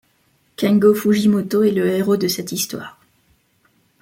Kengo Fujimoto est le héros de cette histoire.